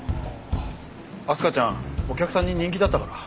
明日香ちゃんお客さんに人気だったから。